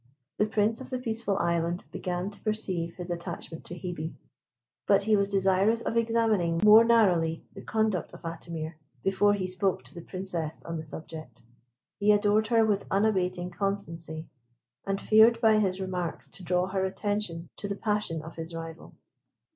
The Prince of the Peaceful Island began to perceive his attachment to Hebe; but he was desirous of examining more narrowly the conduct of Atimir before he spoke to the Princess on the subject. He adored her with unabating constancy, and feared by his remarks to draw her attention to the passion of his rival.